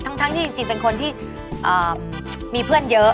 ทั้งที่จริงเป็นคนที่มีเพื่อนเยอะ